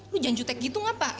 lu jangan jutek gitu enggak pak